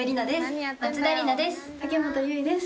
「松田里奈です」